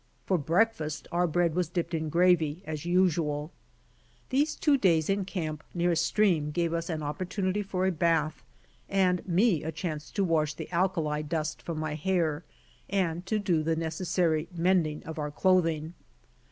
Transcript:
For breakfast our bread was dipped in gravy as usual ! These two days in camp near a stream gave us an opportunity for a bath, and me a chance to wash the alkali dust from my hair, and to do the necessary mending of our clothing.